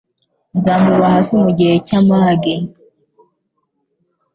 nzamuba hafi mu gihe cy’amage